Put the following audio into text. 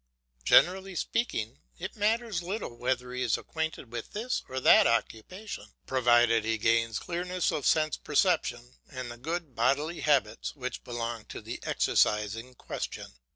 Generally speaking, it matters little whether he is acquainted with this or that occupation, provided he gains clearness of sense perception and the good bodily habits which belong to the exercise in question.